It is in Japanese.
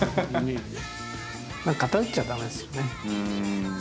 何か偏っちゃ駄目ですよね。